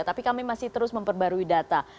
tapi kami masih terus memperbarui data